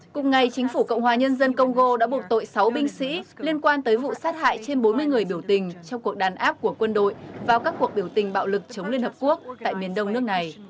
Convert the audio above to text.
cùng ngày chính phủ cộng hòa nhân dân congo đã buộc tội sáu binh sĩ liên quan tới vụ sát hại trên bốn mươi người biểu tình trong cuộc đàn áp của quân đội vào các cuộc biểu tình bạo lực chống liên hợp quốc tại miền đông nước này